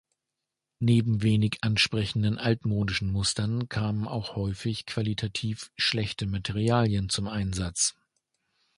Neben wenig ansprechenden, altmodischen Mustern kamen häufig auch qualitativ schlechte Materialien zum Einsatz.